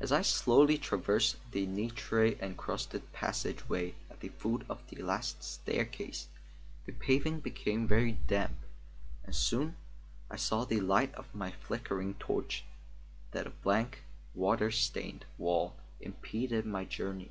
As I slowly traversed the nitre encrusted passageway at the foot of the last staircase, the paving became very damp, and soon I saw by the light of my flickering torch that a blank, water stained wall impeded my journey.